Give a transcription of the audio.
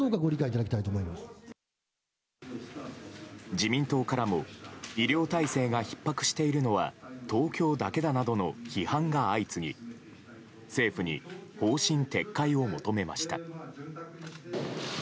自民党からも医療体制がひっ迫しているのは東京だけだなどの批判が相次ぎ政府に方針撤回を求めました。